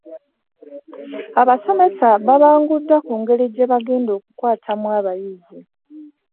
Abasomesa babanguddwa ku ngeri gyebagenda okukwatamu abayizi.